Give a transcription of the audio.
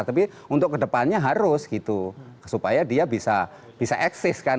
tapi untuk kedepannya harus gitu supaya dia bisa eksis kan